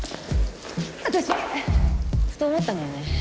私ふと思ったんだよね。